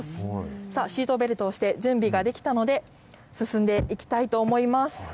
さあ、シートベルトをして、準備ができたので、進んでいきたいと思います。